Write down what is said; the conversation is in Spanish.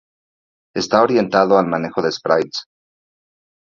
Está orientado al manejo de sprites.